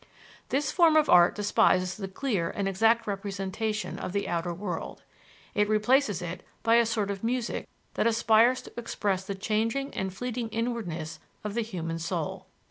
This form of art despises the clear and exact representation of the outer world: it replaces it by a sort of music that aspires to express the changing and fleeting inwardness of the human soul.